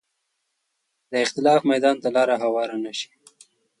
د اختلاف میدان ته لاره هواره نه شي